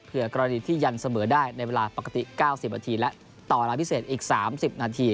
เพื่อกรณีที่ยันเสมอได้ในเวลาปกติ๙๐นาทีและต่อเวลาพิเศษอีก๓๐นาที